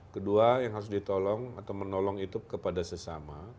kedua yang harus ditolong atau menolong itu kepada sesama